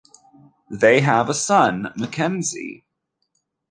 They have a son, Mackenzie.